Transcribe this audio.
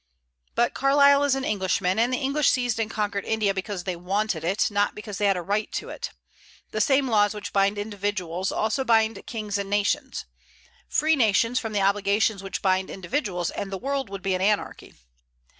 But Carlyle is an Englishman; and the English seized and conquered India because they wanted it, not because they had a right to it. The same laws which bind individuals also binds kings and nations. Free nations from the obligations which bind individuals, and the world would be an anarchy.